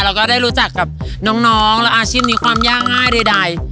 เราก็ได้รู้จักกับน้องและอาชีพนี้ความยากง่ายใด